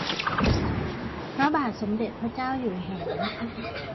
พระบาทสมเด้จพระเจ้าอยู่หัว